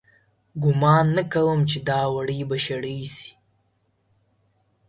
گومان نه کوم چې دا وړۍ به شړۍ سي